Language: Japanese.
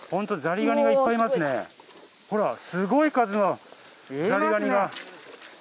ほらすごい数のザリガニが。